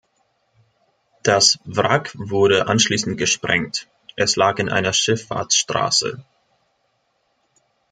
Das Wrack wurde anschließend gesprengt, es lag in einer Schifffahrtsstraße.